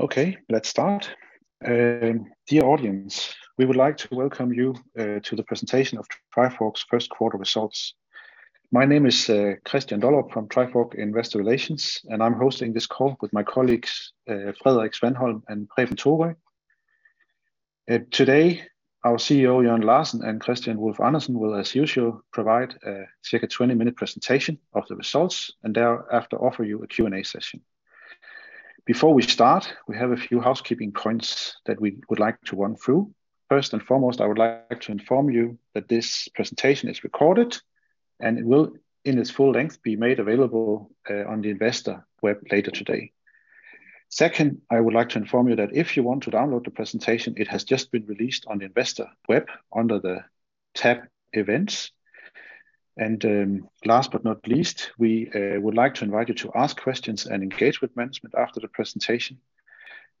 Okay, let's start. Dear audience, we would like to welcome you to the presentation of Trifork's first quarter results. My name is Kristian Dollerup from Trifork Investor Relations, I'm hosting this call with my colleagues Frederik Svanholm and Preben Thorö. Today our CEO Jørn Larsen and Kristian Wulf-Andersen will, as usual, provide a circa 20-minute presentation of the results, thereafter offer you a Q&A session. Before we start, we have a few housekeeping points that we would like to run through. First and foremost, I would like to inform you that this presentation is recorded, it will, in its full length, be made available on the investor web later today. Second, I would like to inform you that if you want to download the presentation, it has just been released on the investor web under the tab Events. Last but not least, we would like to invite you to ask questions and engage with management after the presentation.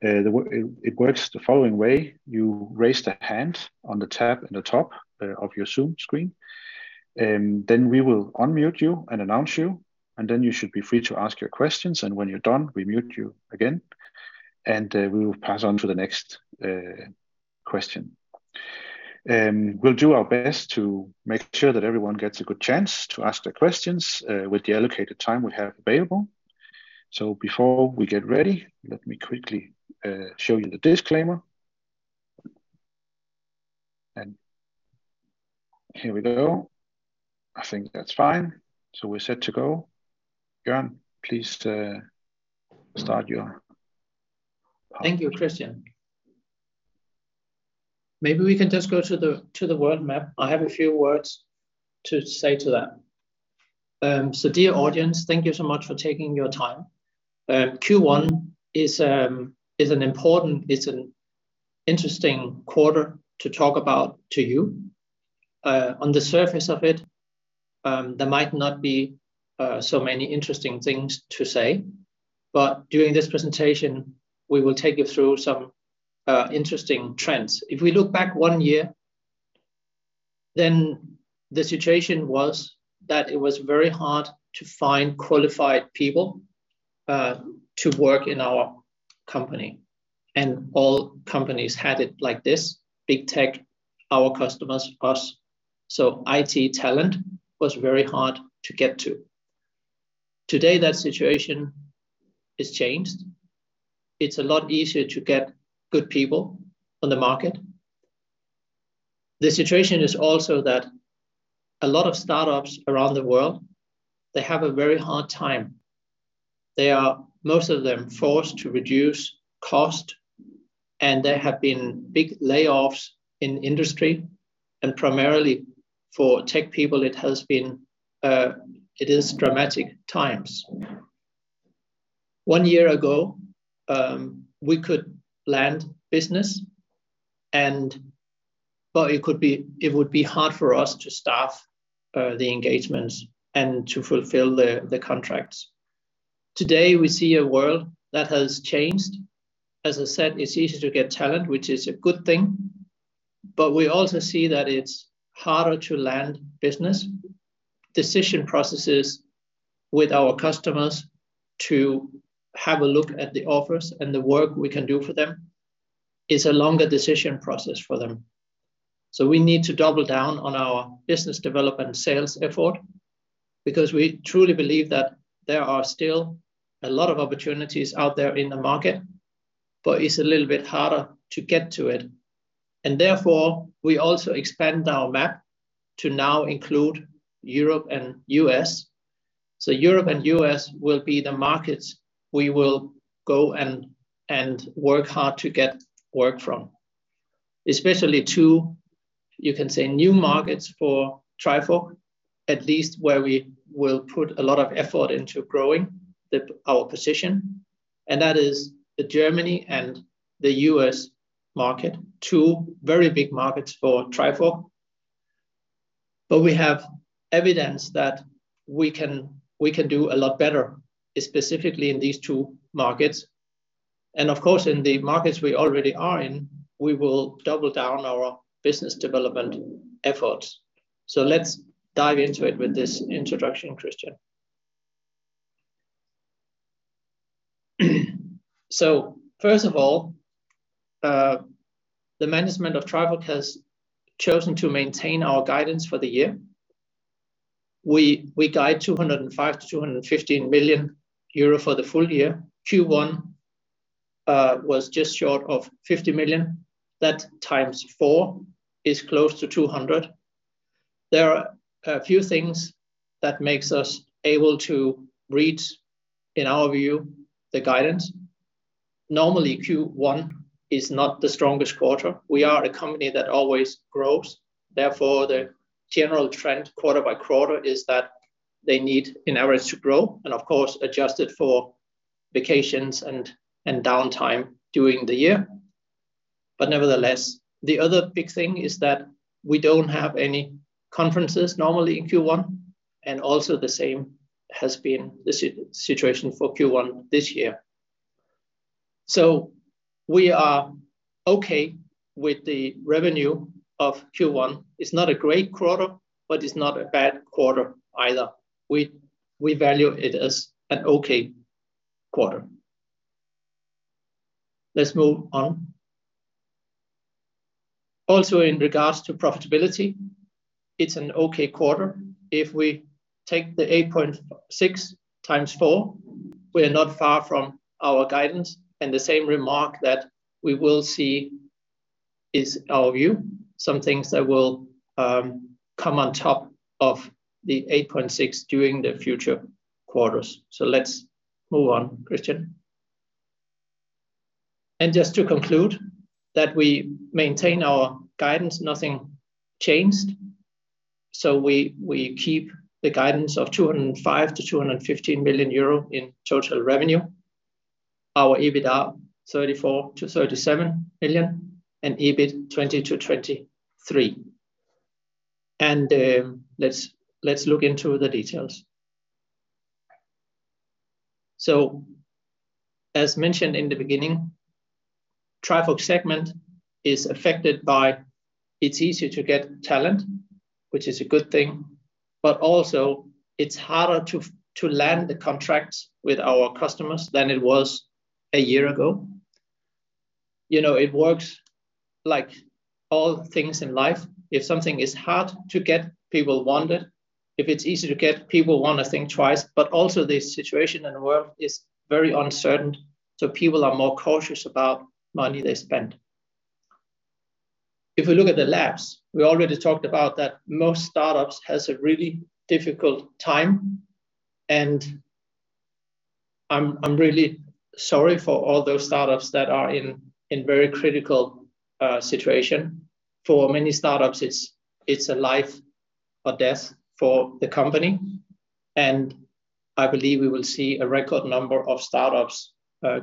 It works the following way: You raise the hand on the tab in the top of your Zoom screen, and then we will unmute you and announce you, and then you should be free to ask your questions. When you're done, we mute you again, and we will pass on to the next question. We'll do our best to make sure that everyone gets a good chance to ask their questions with the allocated time we have available. Before we get ready, let me quickly show you the disclaimer. Here we go. I think that's fine. We're set to go. Jørn, please start your presentation. Thank you, Kristian. Maybe we can just go to the world map. I have a few words to say to that. Dear audience, thank you so much for taking your time. Q1 is an interesting quarter to talk about to you. On the surface of it, there might not be so many interesting things to say. During this presentation, we will take you through some interesting trends. If we look back one year, the situation was that it was very hard to find qualified people to work in our company. All companies had it like this, big tech, our customers, us, IT talent was very hard to get to. Today, that situation has changed. It's a lot easier to get good people on the market. The situation is also that a lot of startups around the world, they have a very hard time. They are, most of them, forced to reduce cost, there have been big layoffs in industry, and primarily for tech people, it has been, it is dramatic times. One year ago, we could land business. It would be hard for us to staff the engagements and to fulfill the contracts. Today, we see a world that has changed. As I said, it's easier to get talent, which is a good thing, we also see that it's harder to land business. Decision processes with our customers to have a look at the offers and the work we can do for them is a longer decision process for them. We need to double down on our business development sales effort because we truly believe that there are still a lot of opportunities out there in the market, but it's a little bit harder to get to it. Therefore, we also expand our map to now include Europe and U.S. Europe and U.S. will be the markets we will go and work hard to get work from. Especially two, you can say, new markets for Trifork, at least where we will put a lot of effort into growing our position, and that is the Germany and the U.S. market. Two very big markets for Trifork. We have evidence that we can do a lot better, specifically in these two markets. Of course, in the markets we already are in, we will double down our business development efforts. Let's dive into it with this introduction, Kristian. First of all, the management of Trifork has chosen to maintain our guidance for the year. We guide 205 million-215 million euro for the full year. Q1 was just short of 50 million. That times four is close to 200 million. There are a few things that makes us able to reach, in our view, the guidance. Normally, Q1 is not the strongest quarter. We are a company that always grows. Therefore, the general trend quarter by quarter is that they need in average to grow, and of course, adjusted for vacations and downtime during the year. Nevertheless, the other big thing is that we don't have any conferences normally in Q1. The same has been the situation for Q1 this year. We are okay with the revenue of Q1. It's not a great quarter, but it's not a bad quarter either. We value it as an okay quarter. Let's move on. Also, in regards to profitability, it's an okay quarter. If we take the 8.6 million times four, we're not far from our guidance, and the same remark that we will see is our view. Some things that will come on top of the 8.6 million during the future quarters. Let's move on, Kristian. Just to conclude, that we maintain our guidance. Nothing changed. We keep the guidance of 205 million-215 million euro in total revenue. Our EBIT are 34 million-37 million, and EBIT, 20 million-23 million. Let's look into the details. As mentioned in the beginning, Trifork segment is affected by it's easier to get talent, which is a good thing, also it's harder to land the contracts with our customers than it was a year ago. You know, it works like all things in life. If something is hard to get, people want it. If it's easy to get, people wanna think twice. Also, the situation in the world is very uncertain, so people are more cautious about money they spend. If we look at the Labs, we already talked about that most startups has a really difficult time, and I'm really sorry for all those startups that are in very critical situation. For many startups, it's a life or death for the company. I believe we will see a record number of startups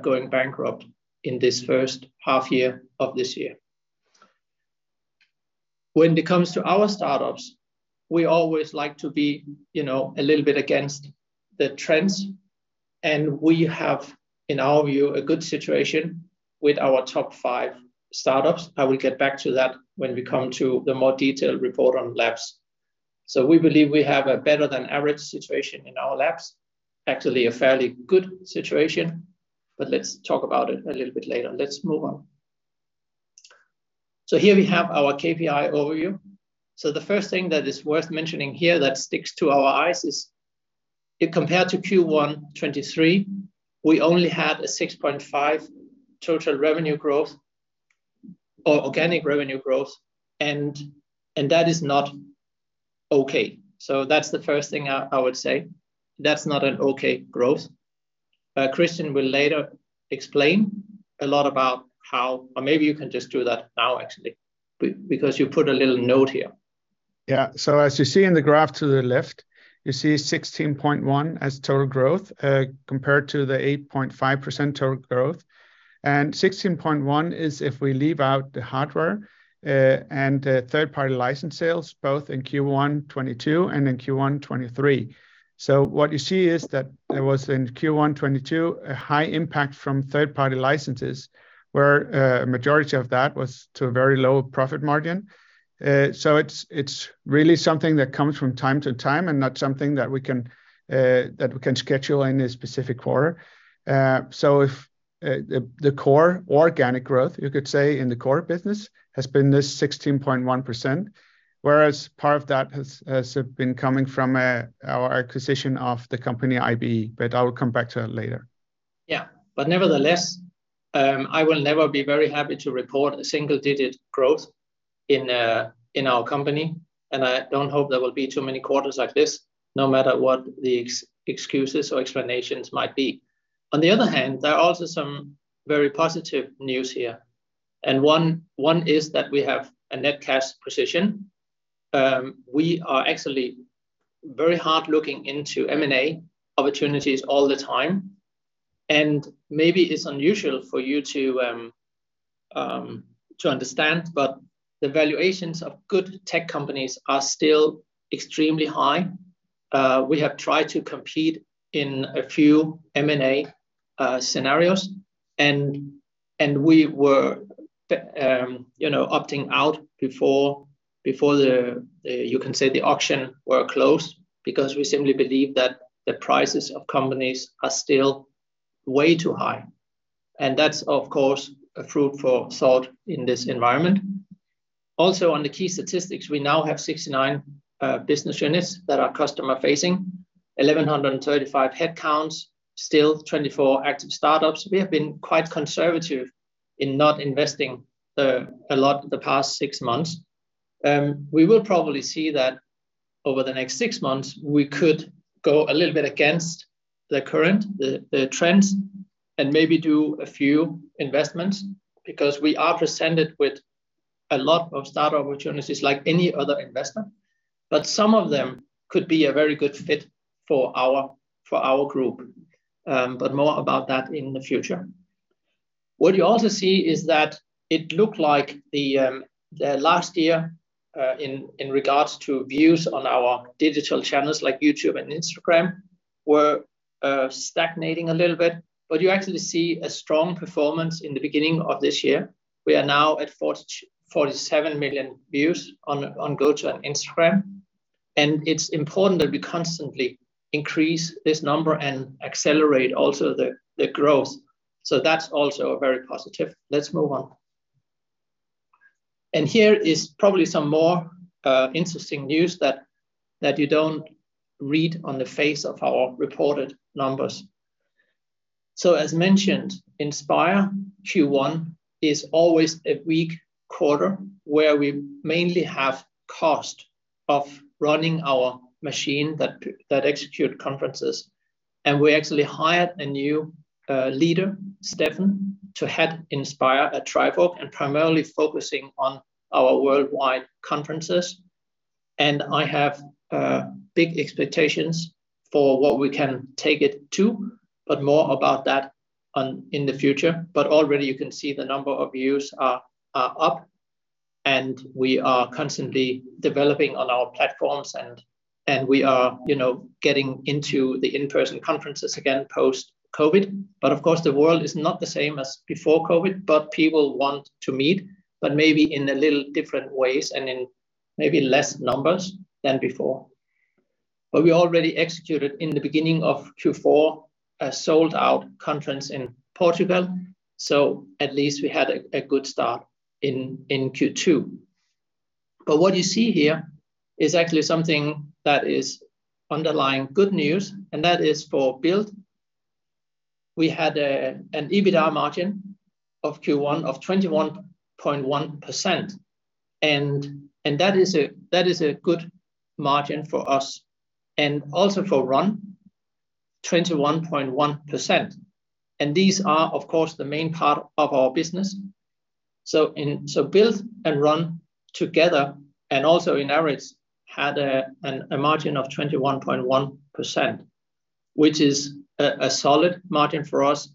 going bankrupt in this first half year of this year. When it comes to our startups, we always like to be, you know, a little bit against the trends. We have, in our view, a good situation with our top five startups. I will get back to that when we come to the more detailed report on labs. We believe we have a better than average situation in our labs. Actually, a fairly good situation. Let's talk about it a little bit later. Let's move on. Here we have our KPI overview. The first thing that is worth mentioning here that sticks to our eyes is if compared to Q1 2023, we only had a 6.5% total revenue growth or organic revenue growth and that is not okay. That's the first thing I would say. That's not an okay growth. Kristian will later explain a lot about how... Or maybe you can just do that now actually because you put a little note here. As you see in the graph to the left, you see 16.1 as total growth, compared to the 8.5% total growth. 16.1 is if we leave out the hardware and the third-party license sales, both in Q1 2022 and in Q1 2023. What you see is that there was, in Q1 2022, a high impact from third-party licenses where a majority of that was to a very low profit margin. It's really something that comes from time to time and not something that we can that we can schedule in a specific quarter. If the core organic growth, you could say, in the core business has been this 16.1%, whereas part of that has been coming from our acquisition of the company IBE. I will come back to that later. Nevertheless, I will never be very happy to report a single-digit growth in our company, and I don't hope there will be too many quarters like this, no matter what the excuses or explanations might be. On the other hand, there are also some very positive news here, and one is that we have a net cash position. We are actually very hard looking into M&A opportunities all the time, and maybe it's unusual for you to understand, but the valuations of good tech companies are still extremely high. We have tried to compete in a few M&A scenarios, and we were, you know, opting out before the you can say the auction were closed because we simply believe that the prices of companies are still way too high. That's of course a fruit for thought in this environment. On the key statistics, we now have 69 business units that are customer-facing. 1,135 headcounts. Stil 24 active startups. We have been quite conservative in not investing a lot the past six months. We will probably see that over the next six months, we could go a little bit against the current trends and maybe do a few investments because we are presented with a lot of startup opportunities like any other investor. Some of them could be a very good fit for our group. More about that in the future. What you also see is that it looked like the last year, in regards to views on our digital channels like YouTube and Instagram were stagnating a little bit. You actually see a strong performance in the beginning of this year. We are now at 47 million views on GOTO and Instagram. It's important that we constantly increase this number and accelerate also the growth. That's also very positive. Let's move on. Here is probably some more interesting news that you don't read on the face of our reported numbers. As mentioned, Inspire Q1 is always a weak quarter where we mainly have cost of running our machine that execute conferences. We actually hired a new leader, Stephan, to head Inspire at Trifork and primarily focusing on our worldwide conferences. I have big expectations for what we can take it to, but more about that in the future. Already you can see the number of views are up, and we are constantly developing on our platforms, and we are, you know, getting into the in-person conferences again post-COVID. Of course, the world is not the same as before COVID, but people want to meet, but maybe in a little different ways and in maybe less numbers than before. We already executed in the beginning of Q4 a sold-out conference in Portugal, so at least we had a good start in Q2. What you see here is actually something that is underlying good news, and that is for Build. We had an EBITDA margin of Q1 of 21.1%, and that is a good margin for us, and also for Run, 21.1%. These are of course the main part of our business. Build and Run together, and also in average, had a margin of 21.1%, which is a solid margin for us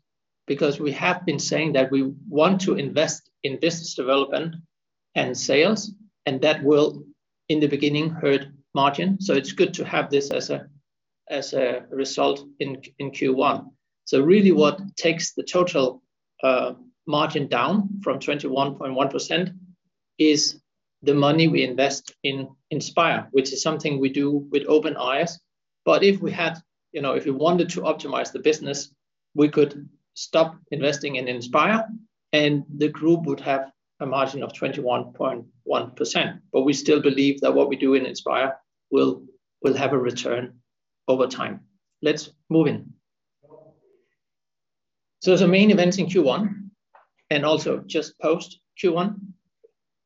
because we have been saying that we want to invest in business development and sales, and that will, in the beginning, hurt margin. It's good to have this as a result in Q1. Really what takes the total margin down from 21.1% is the money we invest in Inspire, which is something we do with open eyes. If we had... You know, if we wanted to optimize the business, we could stop investing in Inspire, and the group would have a margin of 21.1%. We still believe that what we do in Inspire will have a return over time. Let's move in. The main events in Q1, and also just post Q1,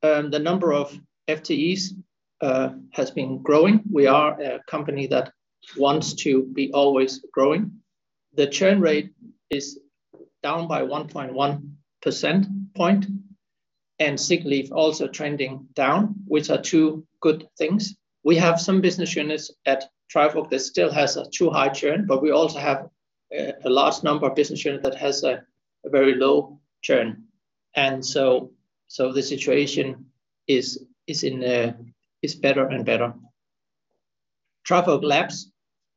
the number of FTEs has been growing. We are a company that wants to be always growing. The churn rate is down by 1.1 percentage point, and sick leave also trending down, which are two good things. We have some business units at Trifork that still has a too high churn, but we also have a large number of business units that has a very low churn, and so the situation is better and better. Trifork Labs,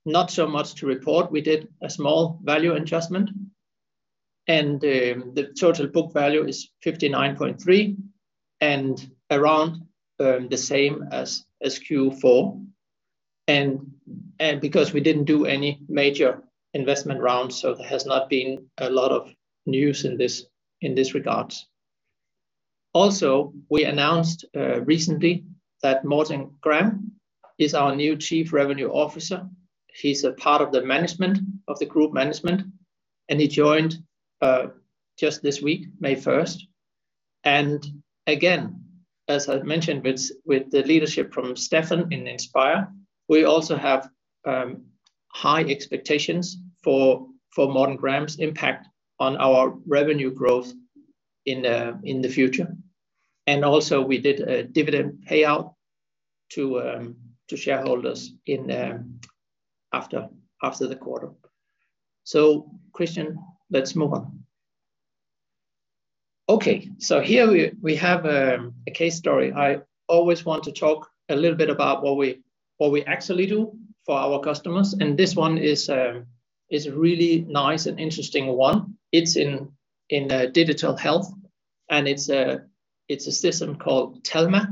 not so much to report. We did a small value adjustment, the total book value is 59.3, and around the same as Q4. Because we didn't do any major investment rounds, so there has not been a lot of news in this regards. Also, we announced recently that Morten Gram is our new Chief Revenue Officer. He's a part of the group management, and he joined just this week, May 1st. Again, as I mentioned with the leadership from Stephan in Inspire, we also have high expectations for Morten Gram's impact on our revenue growth in the future. Also, we did a dividend payout to shareholders after the quarter. Kristian, let's move on. Here we have a case story. I always want to talk a little bit about what we actually do for our customers, and this one is a really nice and interesting one. It's in Digital Health, and it's a system called Telma,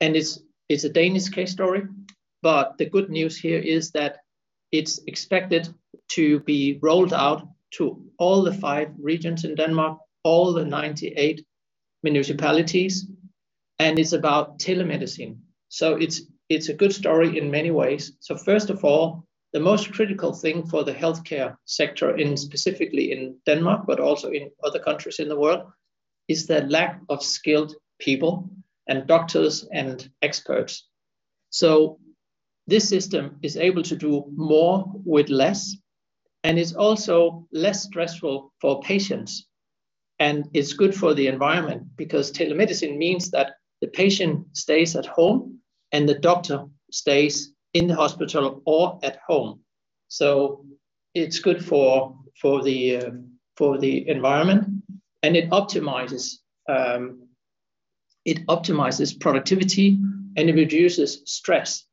and it's a Danish case story. The good news here is that it's expected to be rolled out to all the five regions in Denmark, all the 98 municipalities, and it's about telemedicine. It's a good story in many ways. First of all, the most critical thing for the healthcare sector specifically in Denmark, but also in other countries in the world, is the lack of skilled people and doctors and experts. This system is able to do more with less, and it's also less stressful for patients. It's good for the environment because telemedicine means that the patient stays at home, and the doctor stays in the hospital or at home. It's good for the environment, and it optimizes productivity and it reduces stress.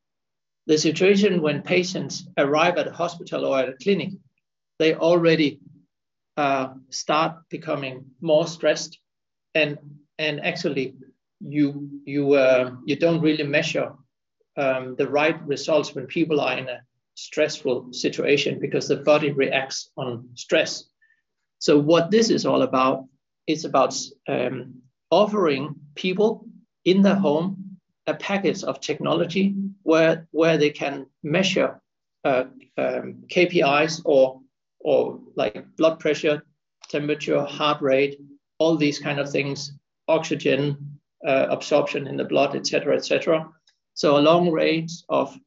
The situation when patients arrive at a hospital or at a clinic, they already start becoming more stressed, and actually you don't really measure the right results when people are in a stressful situation because the body reacts on stress. What this is all about is about offering people in their home a package of technology where they can measure KPIs or like blood pressure, temperature, heart rate, all these kind of things, oxygen absorption in the blood, et cetera, et cetera. A long range of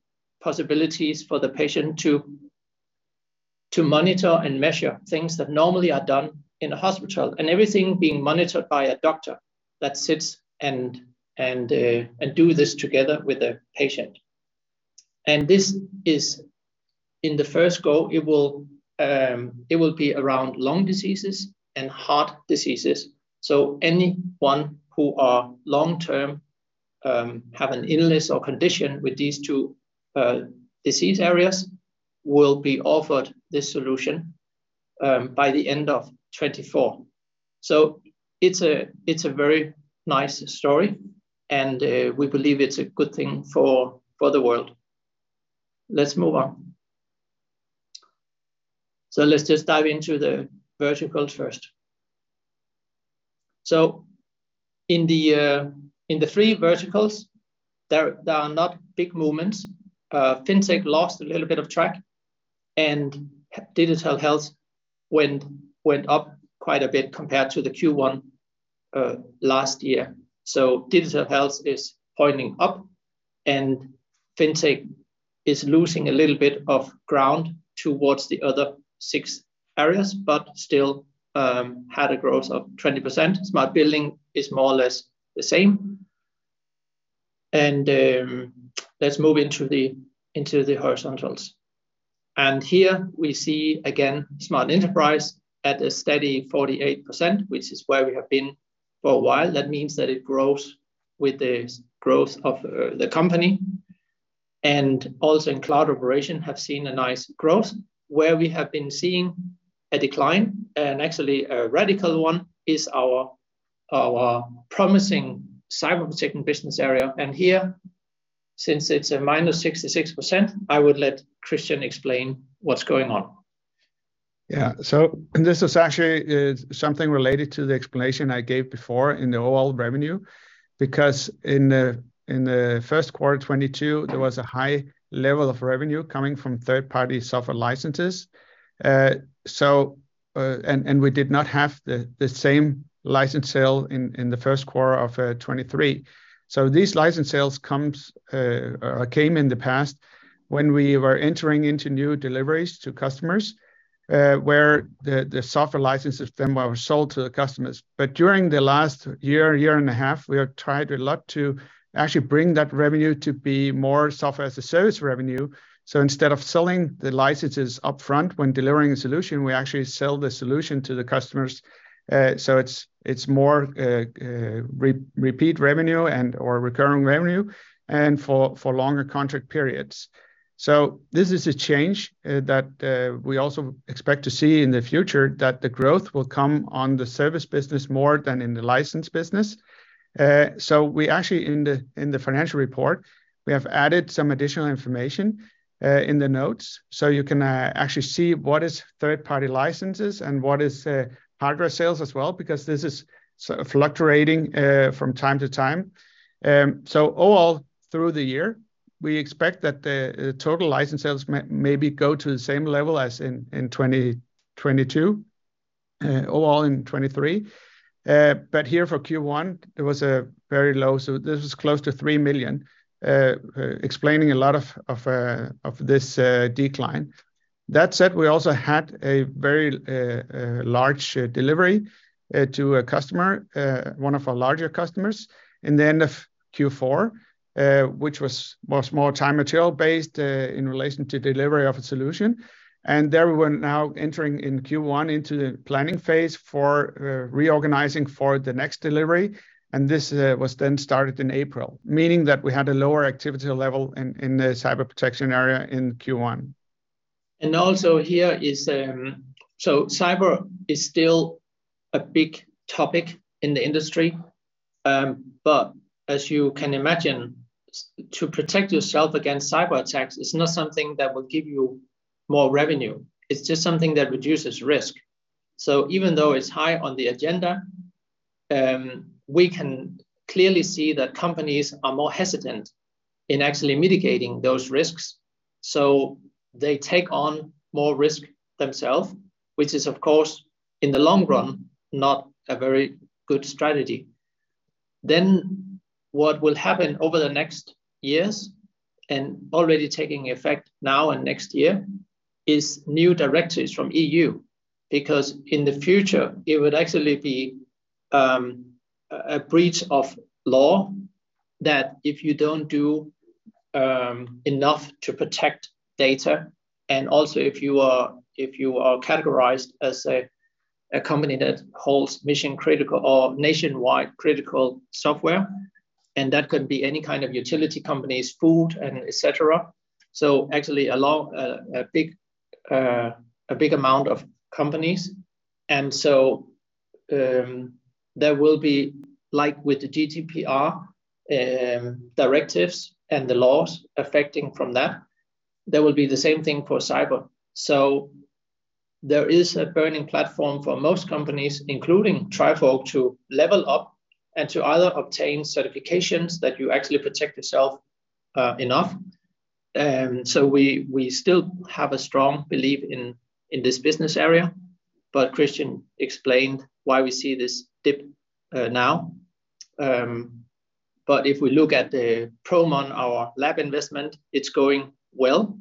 possibilities for the patient to monitor and measure things that normally are done in a hospital. Everything being monitored by a doctor that sits and do this together with a patient. This is in the first go, it will be around lung diseases and heart diseases. Anyone who are long-term have an illness or condition with these two disease areas will be offered this solution by the end of 2024. It's a very nice story, and we believe it's a good thing for the world. Let's move on. Let's just dive into the verticals first. In the three verticals, there are not big movements. FinTech lost a little bit of track, Digital Health went up quite a bit compared to the Q1 last year. Digital Health is pointing up, and FinTech is losing a little bit of ground towards the other six areas, but still had a growth of 20%. Smart Building is more or less the same. Let's move into the horizontals. Here we see again Smart Enterprise at a steady 48%, which is where we have been for a while. That means that it grows with the growth of the company. Also in Cloud Operations have seen a nice growth. Where we have been seeing a decline, and actually a radical one, is our promising Cyber Protection business area. Here, since it's a -66%, I would let Kristian explain what's going on. Yeah. This is actually something related to the explanation I gave before in the overall revenue, because in the first quarter of 2022, there was a high level of revenue coming from third-party software licenses. We did not have the same license sale in the first quarter of 2023. These license sales came in the past when we were entering into new deliveries to customers, where the software licenses then were sold to the customers. During the last year and a half, we have tried a lot to actually bring that revenue to be more software as a service revenue. Instead of selling the licenses upfront when delivering a solution, we actually sell the solution to the customers. It's more repeat revenue or recurring revenue, and for longer contract periods. This is a change that we also expect to see in the future that the growth will come on the service business more than in the license business. We actually in the financial report, we have added some additional information in the notes, so you can actually see what is third-party licenses and what is hardware sales as well, because this is sort of fluctuating from time to time. All through the year, we expect that the total license sales maybe go to the same level as in 2022, or all in 2023. But here for Q1, it was a very low, so this is close to 3 million, explaining a lot of this decline. That said, we also had a very large delivery to a customer, one of our larger customers in the end of Q4, which was more time material-based in relation to delivery of a solution. And there we were now entering in Q1 into the planning phase for reorganizing for the next delivery, and this was then started in April, meaning that we had a lower activity level in the Cyber Protection area in Q1. Also here is. Cyber is still a big topic in the industry, but as you can imagine, to protect yourself against cyber attacks is not something that will give you more revenue. It's just something that reduces risk. Even though it's high on the agenda, we can clearly see that companies are more hesitant in actually mitigating those risks. They take on more risk themselves, which is, of course, in the long run, not a very good strategy. What will happen over the next years, and already taking effect now and next year, is new directives from EU. In the future it would actually be a breach of law. That if you don't do enough to protect data, and also if you are categorized as a company that holds mission-critical or nationwide critical software, and that could be any kind of utility companies, food, and et cetera. Actually a lot, a big amount of companies. There will be like with the GDPR directives and the laws affecting from that, there will be the same thing for cyber. There is a burning platform for most companies, including Trifork, to level up and to either obtain certifications that you actually protect yourself enough. So we still have a strong belief in this business area. Kristian explained why we see this dip now. If we look at the Promon, our lab investment, it's going well.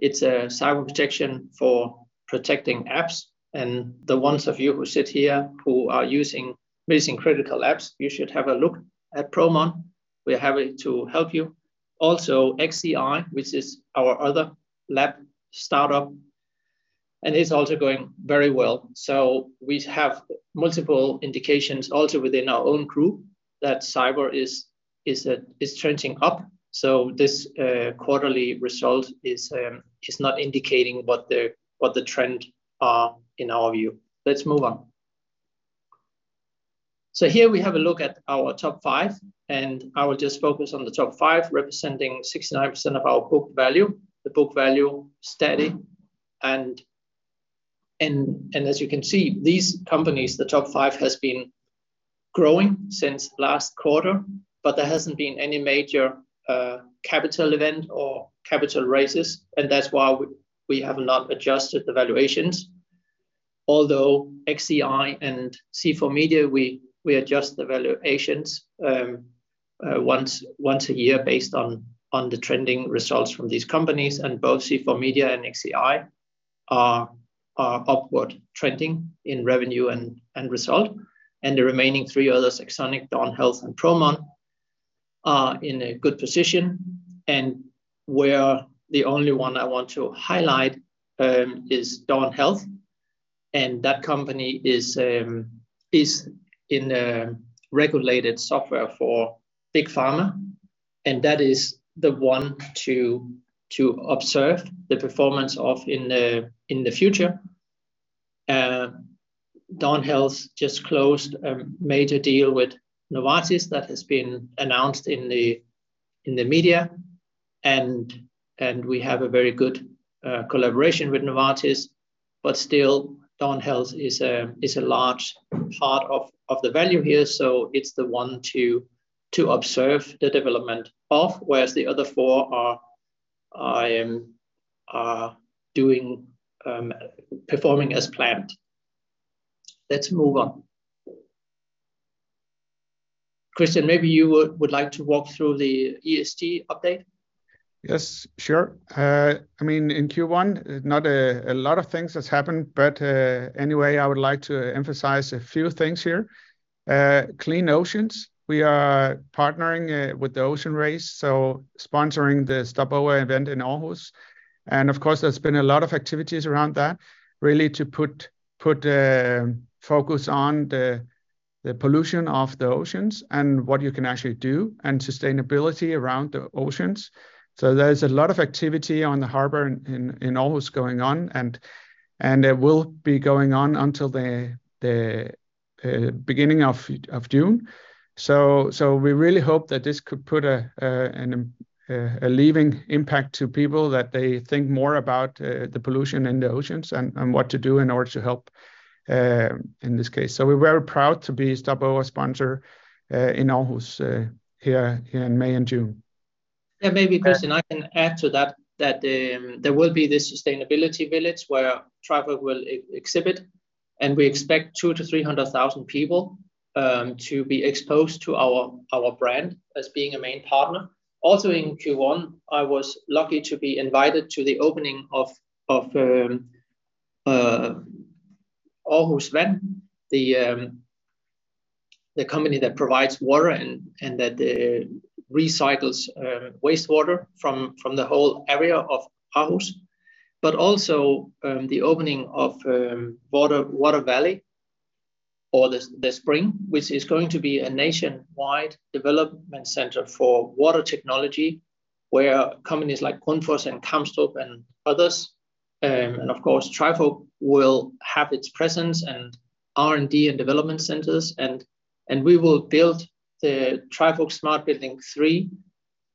It's a cyber protection for protecting apps. The ones of you who sit here who are using mission-critical apps, you should have a look at Promon. We're happy to help you. Also XCI, which is our other lab startup, and it's also going very well. We have multiple indications also within our own Group that cyber is trending up. This quarterly result is not indicating what the trend are in our view. Let's move on. Here we have a look at our top five, and I will just focus on the top five, representing 69% of our book value, the book value steady. As you can see, these companies, the top five, has been growing since last quarter. There hasn't been any major capital event or capital raises. That's why we have not adjusted the valuations. XCI and C4Media, we adjust the valuations once a year based on the trending results from these companies. Both C4Media and XCI are upward trending in revenue and result. The remaining three others, AxonIQ, Dawn Health, and Promon, are in a good position. Where the only one I want to highlight is Dawn Health, and that company is in a regulated software for big pharma, and that is the one to observe the performance of in the future. Dawn Health just closed a major deal with Novartis that has been announced in the media, and we have a very good collaboration with Novartis. Still, Dawn Health is a large part of the value here, so it's the one to observe the development of, whereas the other four are performing as planned. Let's move on. Kristian, maybe you would like to walk through the ESG update. Yes, sure. I mean, in Q1, not a lot of things has happened. I would like to emphasize a few things here. Clean oceans, we are partnering with The Ocean Race, sponsoring the Stopover event in Aarhus. Of course, there's been a lot of activities around that, really to put focus on the pollution of the oceans and what you can actually do and sustainability around the oceans. There's a lot of activity on the harbor in Aarhus going on and it will be going on until the beginning of June. We really hope that this could put a leaving impact to people that they think more about the pollution in the oceans and what to do in order to help in this case. We're very proud to be Stopover sponsor in Aarhus here in May and June. Yeah, maybe Kristian, I can add to that, there will be this sustainability village where Trifork will exhibit, and we expect 200,000-300,000 people to be exposed to our brand as being a main partner. Also in Q1, I was lucky to be invited to the opening of Aarhus Vand, the company that provides water and that recycles wastewater from the whole area of Aarhus. Also, the opening of Water Valley or the Spring, which is going to be a nationwide development center for water technology, where companies like Grundfos and Kamstrup and others, and of course Trifork will have its presence and R&D and development centers. We will build the Trifork Smart Building 3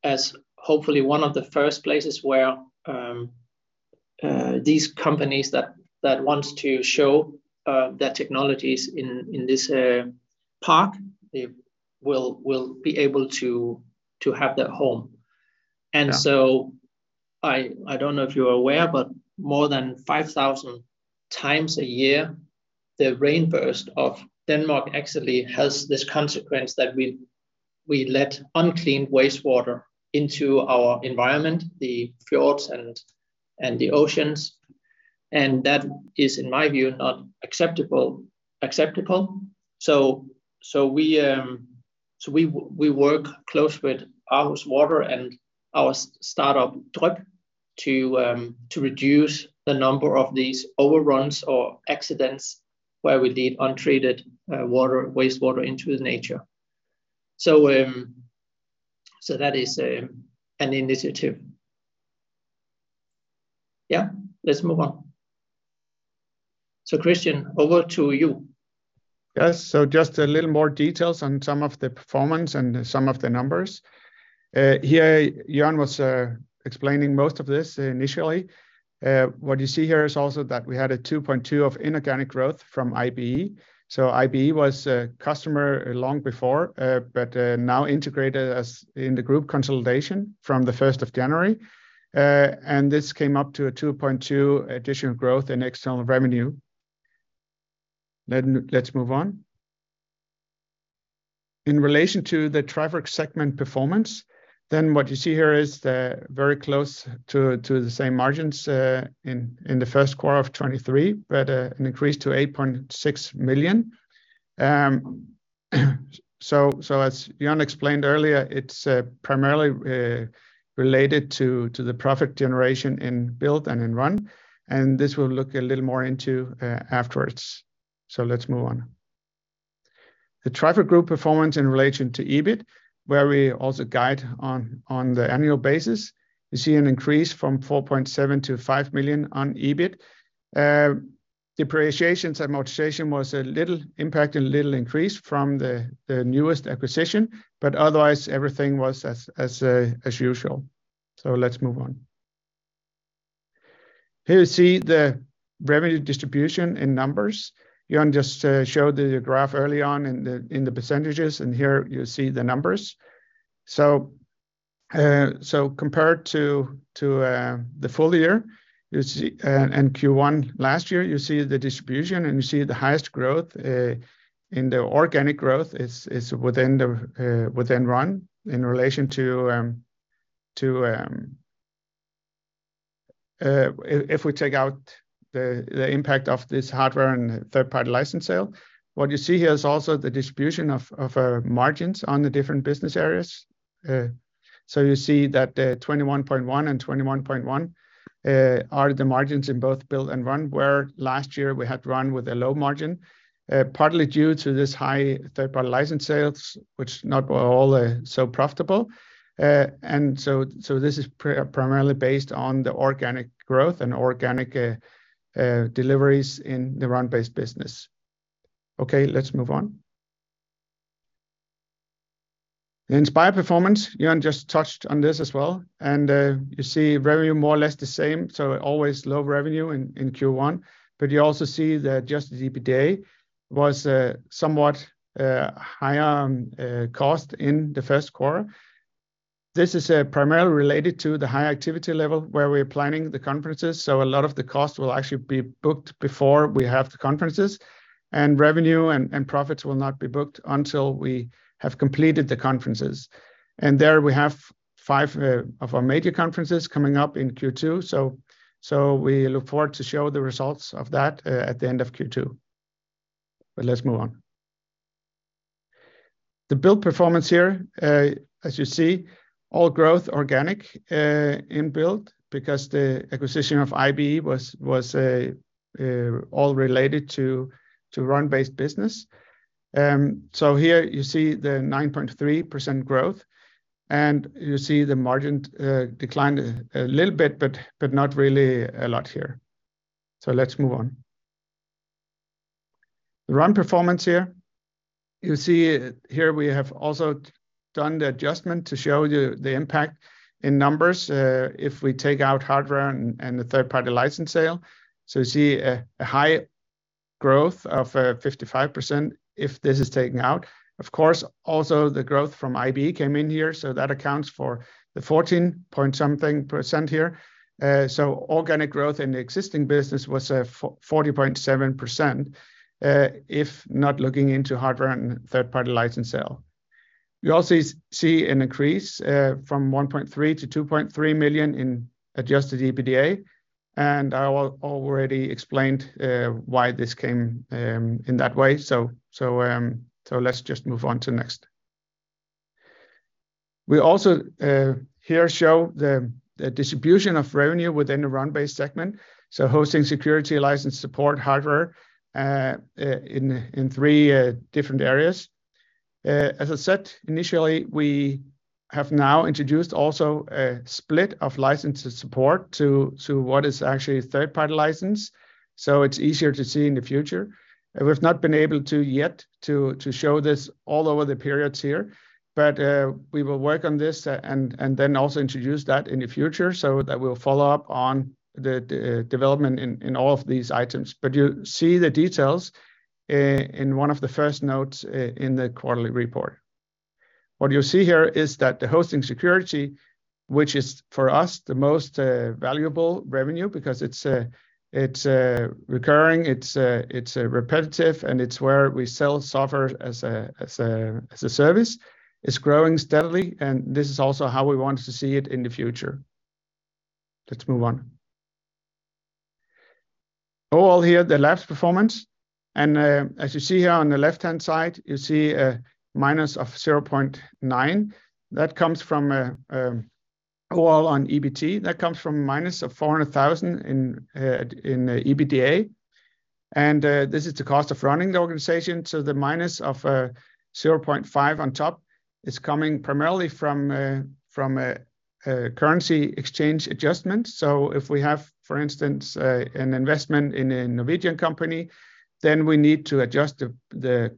as hopefully one of the first places where these companies that wants to show their technologies in this park, they will be able to have that home. Yeah. I don't know if you're aware, but more than 5,000 times a year, the rainburst of Denmark actually has this consequence that we let unclean wastewater into our environment, the fjords and the oceans. That is, in my view, not acceptable. We work close with Aarhus Vand and our startup Drup to reduce the number of these overruns or accidents where we lead untreated wastewater into the nature. That is an initiative. Yeah, let's move on. Kristian, over to you. Yes. Just a little more details on some of the performance and some of the numbers. Here Jørn was explaining most of this initially. What you see here is also that we had 2.2% of inorganic growth from IBE. IBE was a customer long before, but now integrated as in the group consolidation from the first of January. This came up to 2.2% additional growth in external revenue. Let's move on. In relation to the Trifork segment performance, what you see here is the very close to the same margins, in the first quarter of 2023, but an increase to 8.6 million. As Jørn explained earlier, it's primarily related to the profit generation in Build and in Run, and this we'll look a little more into afterwards. Let's move on. The Trifork Group performance in relation to EBIT, where we also guide on the annual basis, you see an increase from 4.7 million to 5 million on EBIT. Depreciations and amortization was a little impact, a little increase from the newest acquisition, but otherwise everything was as usual. Let's move on. Here you see the revenue distribution in numbers. Jørn just showed the graph early on in the percentages, and here you see the numbers. Compared to the full year, you see... Q1 last year, you see the distribution and you see the highest growth in the organic growth is within the Run in relation to. If we take out the impact of this hardware and third-party license sale, what you see here is also the distribution of margins on the different business areas. You see that 21.1 and 21.1 are the margins in both Build and Run, where last year we had Run with a low margin, partly due to this high third-party license sales, which not were all so profitable. This is primarily based on the organic growth and organic deliveries in the Run-based business. Okay, let's move on. The Inspire performance, Jørn just touched on this as well, you see revenue more or less the same, so always low revenue in Q1. You also see the adjusted EBITDA was somewhat higher cost in the first quarter. This is primarily related to the high activity level where we're planning the conferences, a lot of the cost will actually be booked before we have the conferences, and revenue and profits will not be booked until we have completed the conferences. There we have five of our major conferences coming up in Q2, so we look forward to show the results of that at the end of Q2. Let's move on. The Build performance here, as you see, all growth organic in Build because the acquisition of IBE was all related to Run-based business. Here you see the 9.3% growth, and you see the margin declined a little bit, but not really a lot here. Let's move on. The Run performance here. You see here we have also done the adjustment to show you the impact in numbers if we take out hardware and the third-party license sale. You see a high growth of 55% if this is taken out. Of course, also the growth from IBE came in here, so that accounts for the 14.something% here. Organic growth in the existing business was 40.7% if not looking into hardware and third-party license sale. You also see an increase from 1.3 million to 2.3 million in adjusted EBITDA, and I already explained why this came in that way. Let's just move on to next. We also here show the distribution of revenue within the Run-based segment. Hosting, security, license support, hardware in three different areas. As I said initially, we have now introduced also a split of licenses support to what is actually third-party license, so it's easier to see in the future. We've not been able to yet to show this all over the periods here. We will work on this and then also introduce that in the future, so that we'll follow up on the development in all of these items. You see the details in one of the first notes in the quarterly report. What you see here is that the hosting security, which is for us the most valuable revenue because it's recurring, it's repetitive, and it's where we sell software as a service. It's growing steadily, and this is also how we want to see it in the future. Let's move on. Overall here, the last performance, as you see here on the left-hand side, you see a minus of 0.9. That comes from overall on EBT. That comes from minus of 400,000 in EBITDA, this is the cost of running the organization to the minus of 0.5 on top. It's coming primarily from a currency exchange adjustment. If we have, for instance, an investment in a Norwegian company, we need to adjust the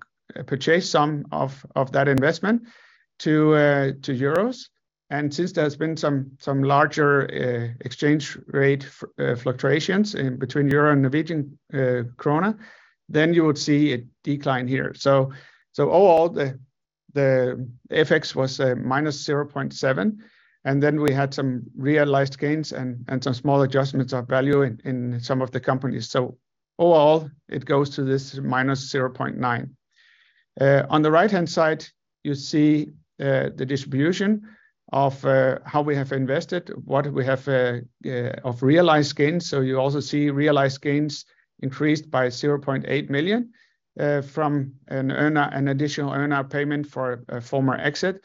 purchase sum of that investment to EUR. Since there has been some larger exchange rate fluctuations in between EUR and Norwegian NOK, you would see a decline here. Overall, the FX was -0.7 million, and then we had some realized gains and some small adjustments of value in some of the companies. Overall, it goes to this -0.9 million. On the right-hand side, you see the distribution of how we have invested, what we have of realized gains, you also see realized gains increased by 0.8 million from an additional earner payment for a former exit.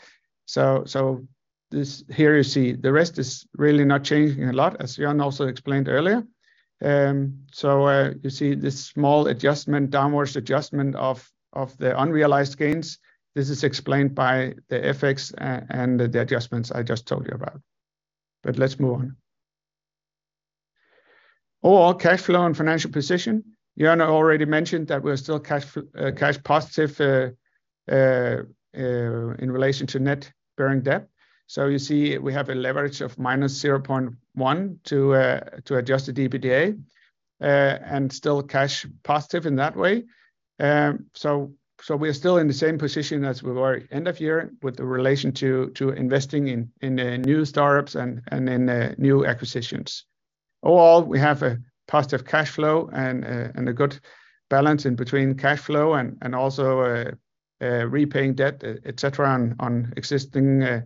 This here you see the rest is really not changing a lot as Jørn also explained earlier. You see this small adjustment, downwards adjustment of the unrealized gains. This is explained by the FX and the adjustments I just told you about. Let's move on. Overall cash flow and financial position. Jørgen already mentioned that we're still cash positive in relation to net borrowing debt. You see we have a leverage of minus 0.1 to adjust the EBITDA and still cash positive in that way. So we are still in the same position as we were end of year with the relation to investing in the new startups and in new acquisitions. Overall, we have a positive cash flow and a good balance in between cash flow and also repaying debt, et cetera, on existing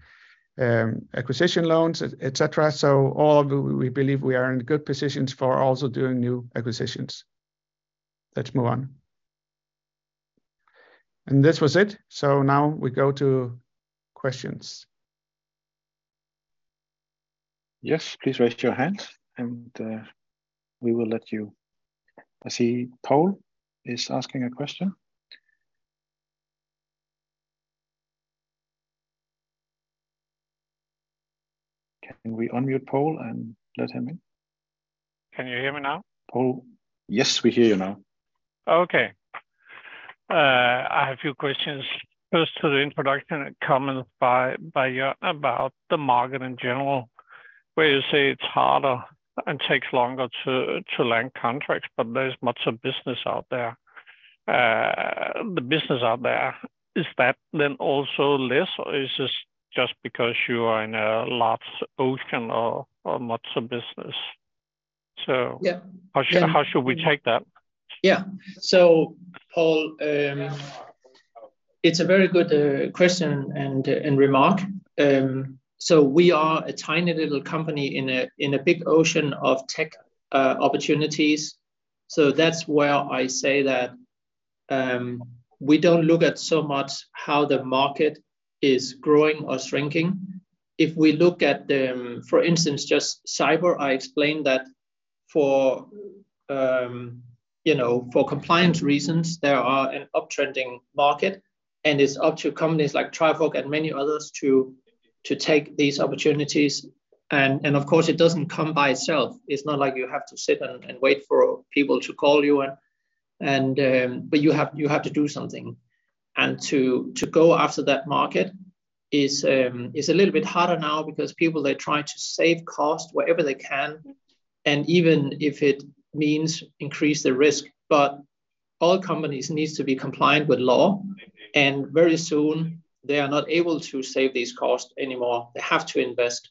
acquisition loans, et cetera. We believe we are in good positions for also doing new acquisitions. Let's move on. This was it. Now we go to questions. Yes, please raise your hand and, we will let you. I see Poul is asking a question. Can we unmute Poul and let him in? Can you hear me now? Poul, yes, we hear you now. Okay. I have a few questions. First to the introduction comment by Jørn about the market in general, where you say it's harder and takes longer to land contracts, but there's much of business out there. The business out there, is that then also less, or is this just because you are in a large ocean or much of business? Yeah. How should we take that? Yeah. Poul, it's a very good question and remark. We are a tiny little company in a big ocean of tech opportunities. That's why I say that we don't look at so much how the market is growing or shrinking. If we look at the, for instance, just cyber, I explained that for, you know, for compliance reasons, there are an uptrending market, and it's up to companies like Trifork and many others to take these opportunities. Of course, it doesn't come by itself. It's not like you have to sit and wait for people to call you. You have to do something. To go after that market is a little bit harder now because people, they're trying to save cost wherever they can, and even if it means increase the risk. All companies needs to be compliant with law, and very soon they are not able to save these costs anymore. They have to invest.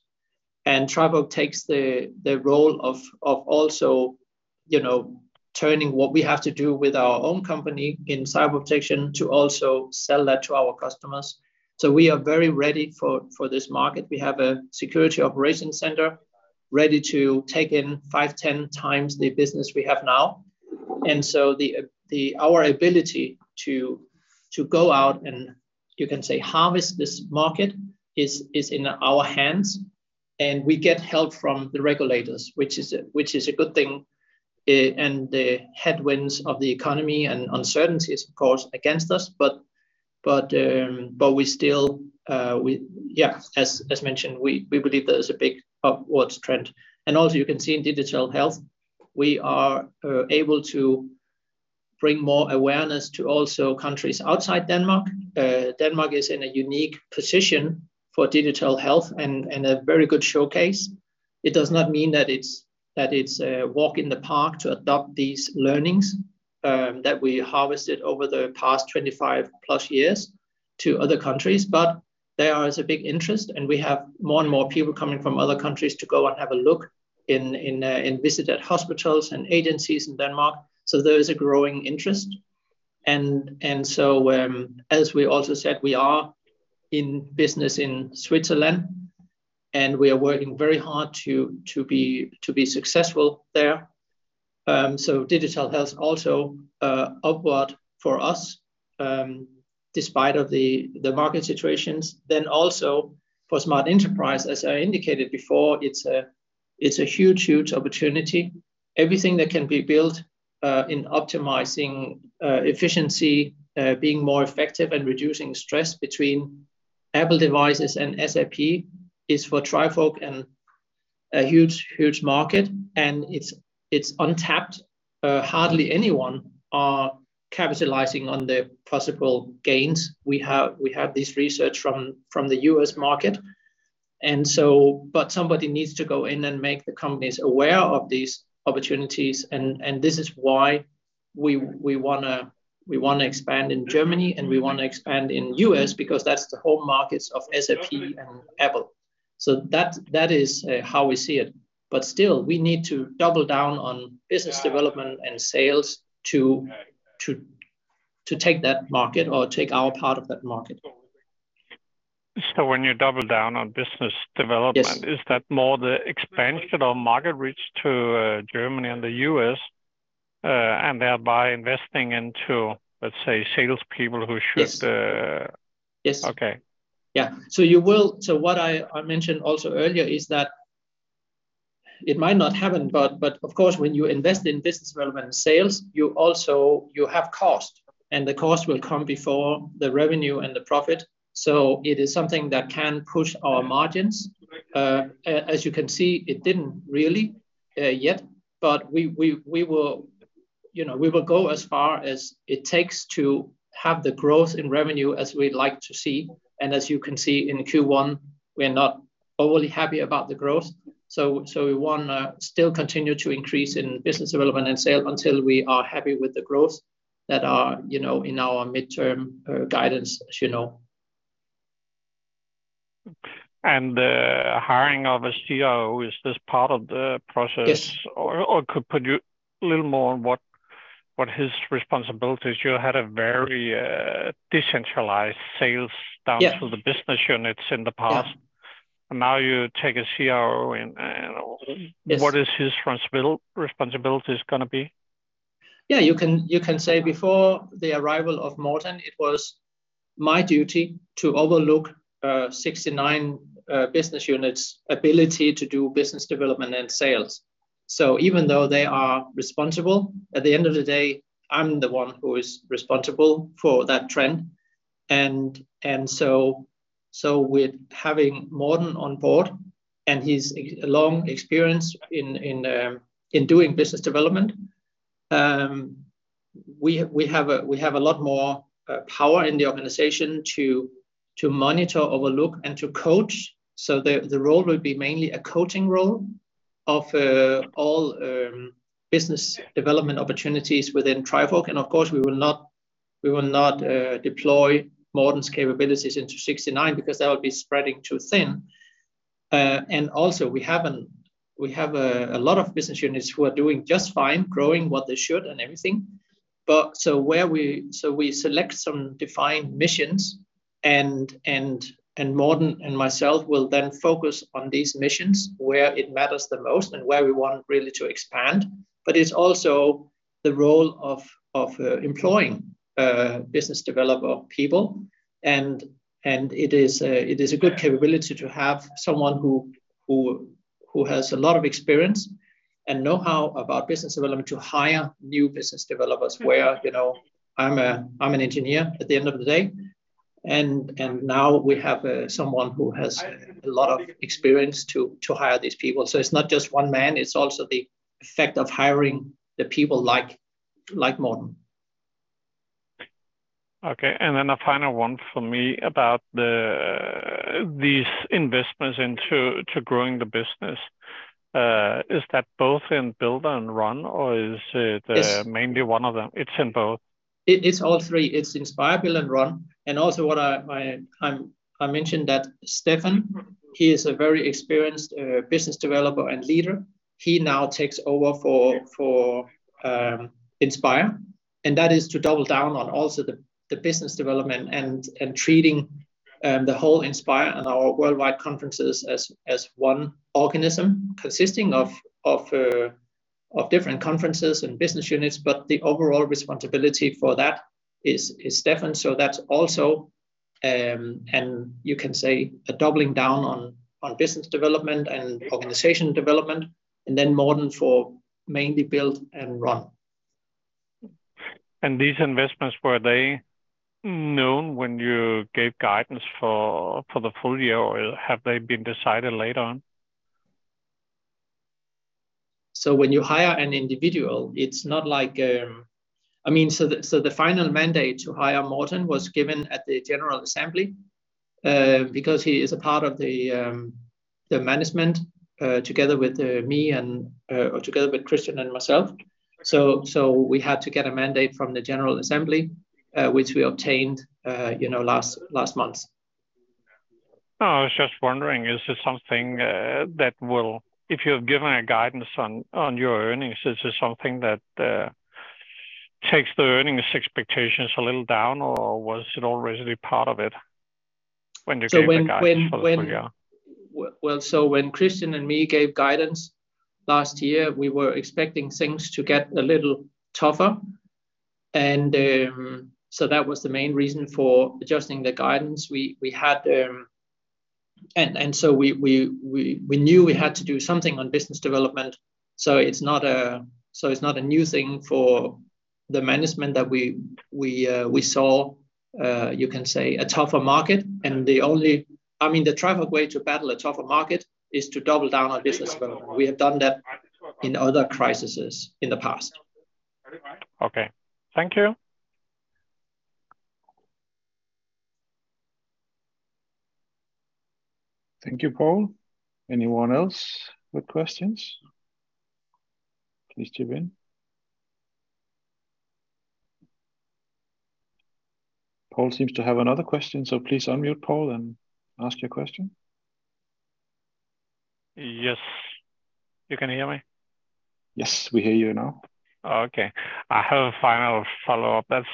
Trifork takes the role of also, you know, turning what we have to do with our own company in Cyber Protection to also sell that to our customers. We are very ready for this market. We have a security operations center ready to take in 5, 10 times the business we have now. The our ability to go out and, you can say, harvest this market is in our hands, and we get help from the regulators, which is a good thing. The headwinds of the economy and uncertainty is, of course, against us. We still, as mentioned, we believe there is a big upwards trend. Also you can see in Digital Health, we are able to bring more awareness to also countries outside Denmark. Denmark is in a unique position for Digital Health and a very good showcase. It does not mean that it's a walk in the park to adopt these learnings that we harvested over the past 25+ years to other countries. There is a big interest, and we have more and more people coming from other countries to go and have a look in visit at hospitals and agencies in Denmark. There is a growing interest. As we also said, we are in business in Switzerland. We are working very hard to be successful there. Digital Health also upward for us despite of the market situations. Also for Smart Enterprise, as I indicated before, it's a huge, huge opportunity. Everything that can be built in optimizing efficiency, being more effective and reducing stress between Apple devices and SAP is for Trifork and a huge, huge market, and it's untapped. Hardly anyone are capitalizing on the possible gains. Hardly anyone are capitalizing on the possible gains. We have this research from the U.S. market. Somebody needs to go in and make the companies aware of these opportunities and this is why we wanna expand in Germany, and we wanna expand in U.S. because that's the home markets of SAP and Apple. That is how we see it. Still, we need to double down on business development and sales to take that market or take our part of that market. When you double down on business development. Yes... is that more the expansion or market reach to Germany and the U.S., and thereby investing into, let's say, salespeople. Yes. Uh... Yes. Okay. Yeah. What I mentioned also earlier is that it might not happen, but of course, when you invest in business development and sales, you have cost, and the cost will come before the revenue and the profit. It is something that can push our margins. As you can see, it didn't really yet, but we will, you know, we will go as far as it takes to have the growth in revenue as we'd like to see. As you can see in Q1, we're not overly happy about the growth. We wanna still continue to increase in business development and sale until we are happy with the growth that are, you know, in our midterm guidance, as you know. The hiring of a CEO, is this part of the process? Yes. Could you put a little more on what his responsibility is? You had a very decentralized sales. Yeah to the business units in the past. Yeah. Now you take a CEO in and. Yes... what is his responsibility is gonna be? Yeah. You can say before the arrival of Morten, it was my duty to overlook 69 business units' ability to do business development and sales. Even though they are responsible, at the end of the day, I'm the one who is responsible for that trend. With having Morten on board and his ex-long experience in doing business development, we have a lot more power in the organization to monitor, overlook, and to coach. The role will be mainly a coaching role of all business development opportunities within Trifork. Of course, we will not deploy Morten's capabilities into 69 because that would be spreading too thin. Also, we have a lot of business units who are doing just fine, growing what they should and everything. Where we select some defined missions, and Morten and myself will then focus on these missions where it matters the most and where we want really to expand. It's also the role of employing business developer people. It is a good capability to have someone who has a lot of experience and knowhow about business development to hire new business developers where, you know, I'm an engineer at the end of the day. Now we have someone who has a lot of experience to hire these people. It's not just one man, it's also the effect of hiring the people like Morten. Okay. Then a final one from me about the, these investments into, to growing the business. Is that both in Build and Run, or is it-? It's-... mainly one of them? It's in both. It's all three. It's Inspire, Build, and Run. Also what I mentioned that Stephan, he is a very experienced business developer and leader. He now takes over for Inspire, and that is to double down on also the business development and treating the whole Inspire and our worldwide conferences as one organism consisting of different conferences and business units. The overall responsibility for that is Stephan. That's also, and you can say a doubling down on business development and organization development, and then Morten for mainly Build and Run. These investments, were they known when you gave guidance for the full year, or have they been decided later on? When you hire an individual, it's not like, the final mandate to hire Morten was given at the general assembly, because he is a part of the management, together with me and, or together with Kristian and myself. We had to get a mandate from the general assembly, which we obtained, you know, last month. I was just wondering, is this something, if you have given a guidance on your earnings, is this something that takes the earnings expectations a little down, or was it already part of it when you gave the guidance for this year? Well, when Kristian and me gave guidance last year, we were expecting things to get a little tougher. That was the main reason for adjusting the guidance. We had. We knew we had to do something on business development, so it's not a new thing for the management that we saw a tougher market. The only, I mean, the tried and way to battle a tougher market is to double down on business development. We have done that in other crises in the past. Okay. Thank you. Thank you, Poul. Anyone else with questions, please chip in. Poul seems to have another question, please unmute, Poul, and ask your question. Yes. You can hear me? Yes, we hear you now. Okay. I have a final follow-up. That's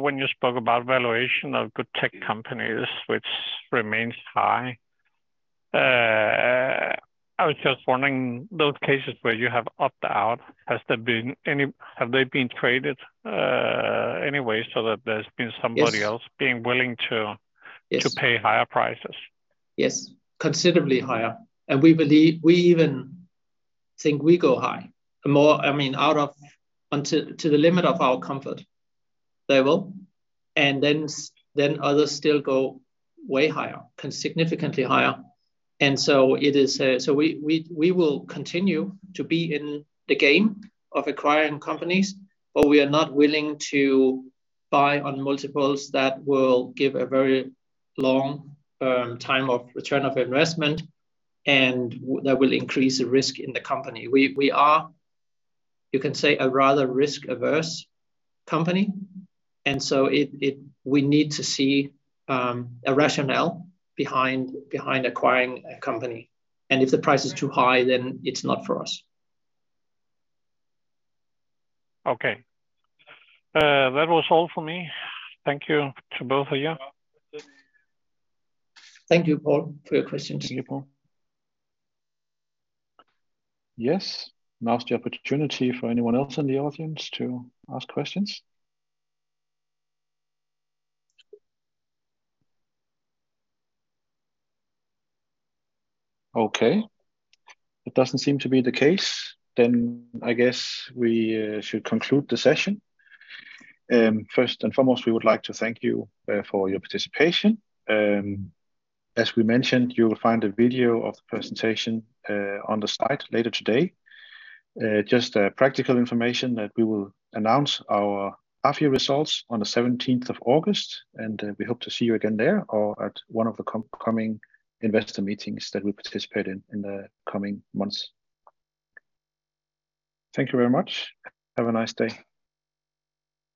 when you spoke about valuation of good tech companies, which remains high. I was just wondering, those cases where you have opt-out, have they been traded any way so that there's been somebody else? Yes... being willing Yes... to pay higher prices? Yes. Considerably higher. We believe. We even think we go high. The more, I mean, unto the limit of our comfort level, then others still go way higher, significantly higher. It is. We will continue to be in the game of acquiring companies, we are not willing to buy on multiples that will give a very long time of return of investment and that will increase the risk in the company. We are, you can say, a rather risk-averse company. We need to see a rationale behind acquiring a company. If the price is too high, then it's not for us. Okay. That was all for me. Thank you to both of you. Thank you, Poul, for your questions. Thank you, Poul. Yes. Now's the opportunity for anyone else in the audience to ask questions. It doesn't seem to be the case, then I guess we should conclude the session. First and foremost, we would like to thank you for your participation. As we mentioned, you'll find a video of the presentation on the site later today. Just practical information that we will announce our half-year results on the 17th of August, we hope to see you again there or at one of the coming investor meetings that we participate in in the coming months. Thank you very much. Have a nice day.